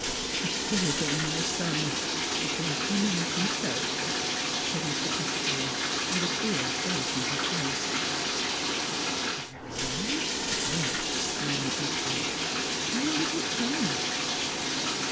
" It appears that my son prefers to announce himself," said Mr. Pettibone, with a queer shake in his voice. " Fer th' land sake !" murmured Miss Bennett. "When did it come?"